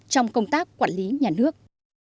trong công tác quản lý nhà nước